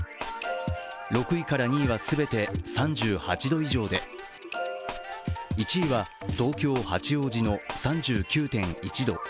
６位から２位は全て３８度以上で１位は東京・八王子の３９．１度。